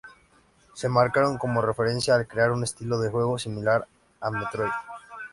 Se marcaron como referencia el crear un estilo de juego similar a "Metroid".